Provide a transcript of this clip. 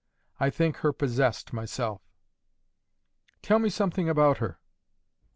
I think her possessed myself. "Tell me something about her."